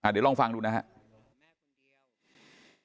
เดี๋ยวลองฟังดูนะครับ